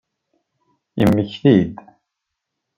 Yemmekti-d.